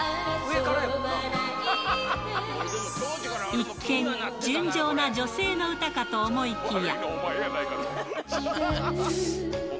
一見、純情な女性の歌かと思いきや。